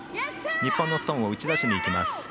日本のストーンを打ち出しにいきます。